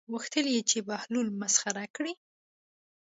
غوښتل یې چې بهلول مسخره کړي.